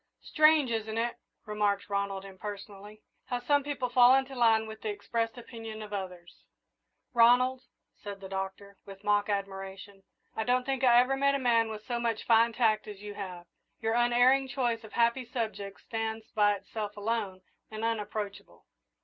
"Strange, isn't it," remarked Ronald, impersonally, "how some people fall into line with the expressed opinions of others!" "Ronald," said the Doctor, with mock admiration, "I don't think I ever met a man with so much fine tact as you have. Your unerring choice of happy subjects stands by itself alone and unapproachable."